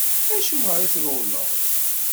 Acuɣeṛ i trewleḍ?